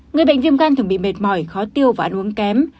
người bệnh viêm gan thường bị mệt mỏi khó tiêu và ăn uống kém